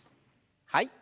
はい。